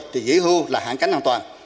thì kỳ hưu là hạn cánh hoàn toàn